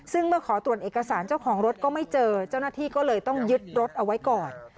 ซึ่งเมื่อขอตรวจเอกสารเจ้าของรถก็ไม่เจอเจ้าหน้าที่ก็เลยต้องยึดรถเอาไว้ก่อน